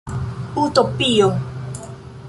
Utopio!